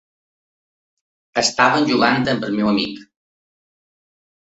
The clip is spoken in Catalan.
Estàvem jugant amb el meu amic.